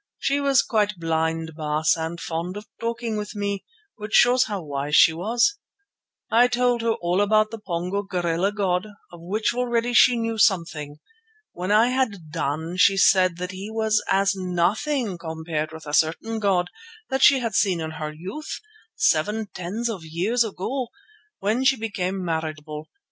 She was quite blind, Baas, and fond of talking with me—which shows how wise she was. I told her all about the Pongo gorilla god, of which already she knew something. When I had done she said that he was as nothing compared with a certain god that she had seen in her youth, seven tens of years ago, when she became marriageable.